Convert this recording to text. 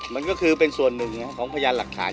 มันก็คือเป็นส่วนหนึ่งของพยานหลักฐาน